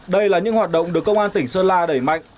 đây là những hoạt động được công an tỉnh sơn la đẩy mạnh